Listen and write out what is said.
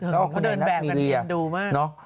แล้วก็คุณไอนัทมีเรียดูมาก